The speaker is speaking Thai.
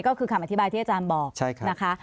ก็คือคำอธิบายที่อาจารย์บอกนะคะ